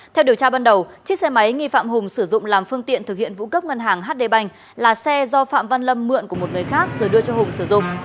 theo điều tra ban đầu chiếc xe máy nghi phạm hùng sử dụng làm phương tiện thực hiện vụ cướp ngân hàng hd bành là xe do phạm văn lâm mượn của một người khác rồi đưa cho hùng sử dụng